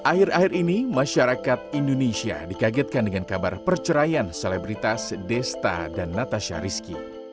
akhir akhir ini masyarakat indonesia dikagetkan dengan kabar perceraian selebritas desta dan natasha rizky